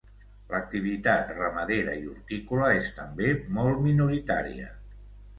L'activitat ramadera i hortícola és també molt minoritària.